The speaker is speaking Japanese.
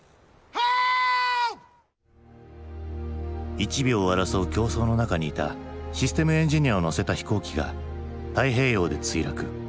１秒を争う競争の中にいたシステムエンジニアを乗せた飛行機が太平洋で墜落。